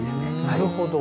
なるほど。